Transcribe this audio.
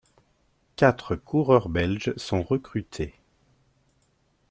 Quatre coureurs belges sont recrutés.